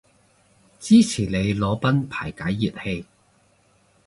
支持你裸奔排解熱氣